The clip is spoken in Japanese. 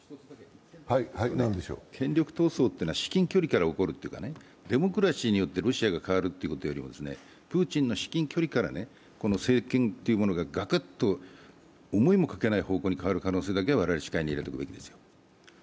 権力闘争というのは至近距離から起こるというかロシアが変わるということよりも、プーチンの至近距離から政権というものがガクッと思いもかけない方向に変わることを我々は視界に入れておくべきですよ。